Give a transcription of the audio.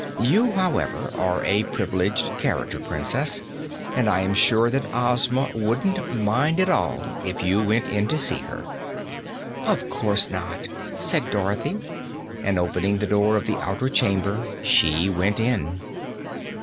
You, however, are a privileged character, Princess, and I am sure that Ozma wouldn't mind at all if you went in to see her." "Of course not," said Dorothy, and opening the door of the outer chamber, she went in.